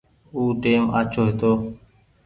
او ٽيم آڇو هيتو۔